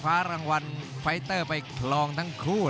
และอัพพิวัตรสอสมนึก